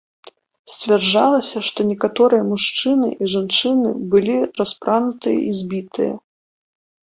Сцвярджалася, што некаторыя мужчыны і жанчыны былі распранутыя і збітыя.